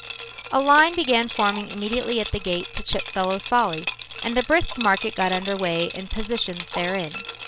A line began forming immediately at the gate to Chipfellow's Folly and a brisk market got under way in positions therein.